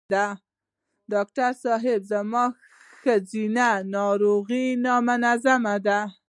ډاکټر صېب زما ښځېنه ناروغی نامنظم ده